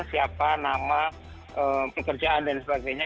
siapa nama pekerjaan dan sebagainya